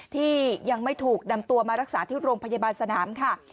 ที่ยังไม่ถูกนำตัวมารักษาที่โรงพยาบาลสนามค่ะ